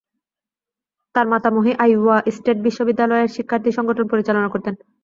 তার মাতামহী Iowa state বিশ্ববিদ্যালয়ের শিক্ষার্থী সংগঠন পরিচালনা করতেন।